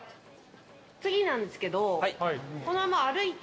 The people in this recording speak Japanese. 次なんですけど。